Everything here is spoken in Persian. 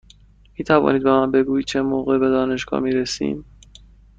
می توانید به من بگویید چه موقع به دانشگاه می رسیم؟